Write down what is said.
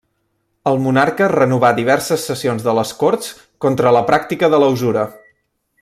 El monarca renovà diverses sessions de les Corts contra la pràctica de la usura.